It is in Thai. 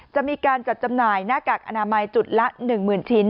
จะมีการจัดจำหน่ายหน้ากากอนามัยจุดละ๑๐๐๐ชิ้น